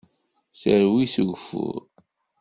Terwi s ugeffur.